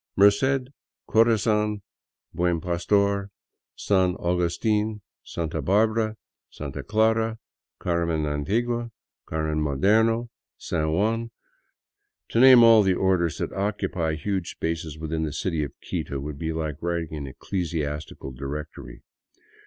Merced, Corazon, Buen Pastor, San Augustin, Santa Barbara, Santa Clara, Carmen Antigua, Carmen Moderno, San Juan ... to name all the orders, that occupy huge spaces within the city of Quito would be like writing an ecclesiastical directory.